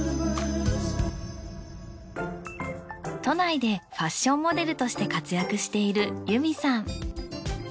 都内でファッションモデルとして活躍しているＹＵＭＩさん。